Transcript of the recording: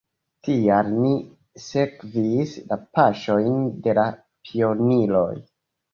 Tial ni sekvis la paŝojn de la pioniroj!